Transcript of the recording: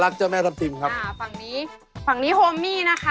ศาลเจ้าพ่อเทพรักเจ้าแม่ทับทิม